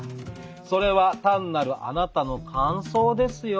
「それは単なるあなたの感想ですよね？」。